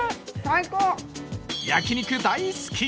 焼肉大好き！